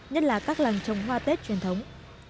nhất là các làng trồng hoa tết truyền thống